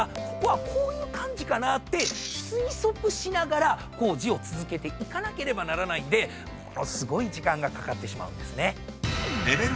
ここはこういう感じかなって推測しながら工事を続けていかなければならないんでものすごい時間がかかってしまうんですね。